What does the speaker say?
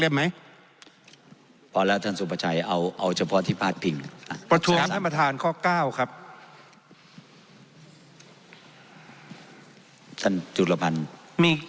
มีเกี่ยวกับอะไร